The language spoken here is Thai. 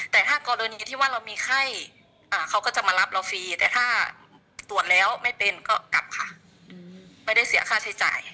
แต่ถ้ากรณีที่ว่าเรามีไข้เขาก็จะมารับเราฟรีแต่ถ้าตรวจแล้วไม่เป็นก็กลับค่ะไม่ได้เสียค่าใช้จ่าย